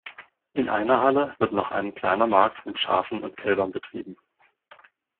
In einer Halle wird noch ein kleiner Markt mit Schafen und Kälbern betrieben.